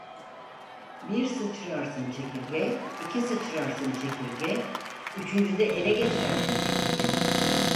Bir sıçrarsın çekirge, iki sıçrarsın çekirge, üçüncüde ele geçersin çekirge.